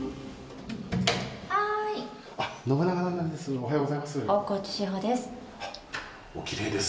おはようございます。